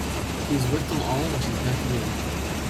She's whipped them all and she's back again.